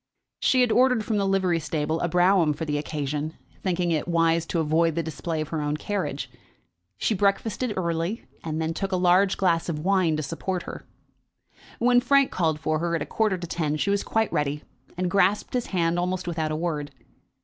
She had ordered from the livery stable a brougham for the occasion, thinking it wise to avoid the display of her own carriage. She breakfasted early, and then took a large glass of wine to support her. When Frank called for her at a quarter to ten, she was quite ready, and grasped his hand almost without a word.